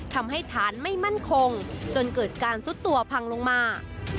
ทำให้ฐานไม่มั่นคงจนเกิดการซุดตัวพังลงมา